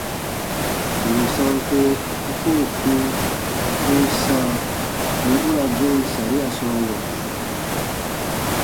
Tɔnu sanko u koo kpĩ u n sãa wì u ra goon saria sɔɔ wɔri?